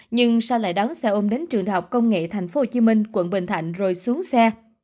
nhưng sao lại đón xe ôm đến trường đạo công nghệ thành phố hồ chí minh quận bình thạnh rồi xuống xe